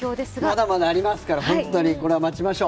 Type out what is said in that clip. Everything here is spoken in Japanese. まだまだありますから本当に、これは待ちましょう。